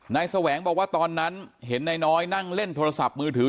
แสวงบอกว่าตอนนั้นเห็นนายน้อยนั่งเล่นโทรศัพท์มือถือ